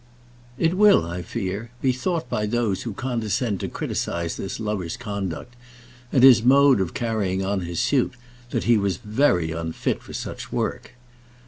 It will, I fear, be thought by those who condescend to criticize this lover's conduct and his mode of carrying on his suit, that he was very unfit for such work.